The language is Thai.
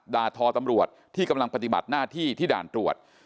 ด่าทอตำรวจที่กำลังปฏิบัติหน้าที่ที่ด่านตรวจ